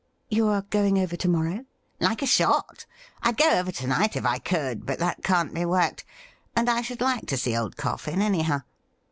' You are going over to morrow ?'' Like a shot. I'd go over to night if I could ; but that can't be worked, and I should like to see old Coffin anyhow.'